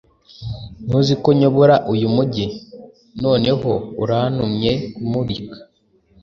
Ntuzi ko nyobora uyu mujyi? Noneho urantumye kumurika